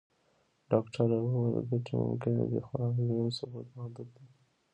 ډاکټره وویل چې ګټې ممکنه دي، خو علمي ثبوت محدود دی.